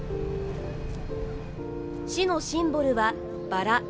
市のシンボルは、ばら。